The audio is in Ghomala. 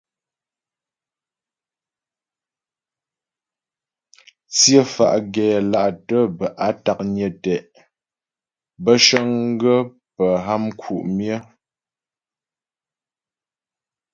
Tsyə fá́ gɛla'tə bə́ á taknyə tɛ', bə́ cəŋgaə́ pə́ ha mku' myə.